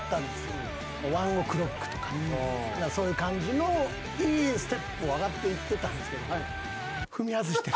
そういう感じのいいステップを上がっていってたんですけど。